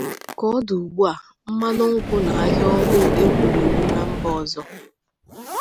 Ka ọ dị ugbu a, mmanụ nkwụ na ahia ohu ewuru ewu na mba ọzọ.